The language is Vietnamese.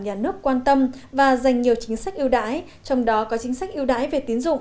nhà nước quan tâm và dành nhiều chính sách ưu đãi trong đó có chính sách ưu đãi về tín dụng